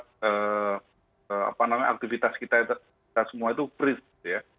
kita apa namanya aktivitas kita semua itu freeze